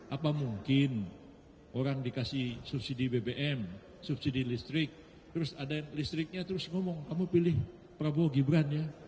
apa mungkin orang dikasih subsidi bbm subsidi listrik terus ada listriknya terus ngomong kamu pilih prabowo gibran ya